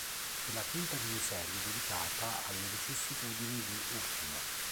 È la quinta miniserie dedicata alle vicissitudini di Ultimo.